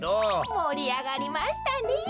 もりあがりましたねえ。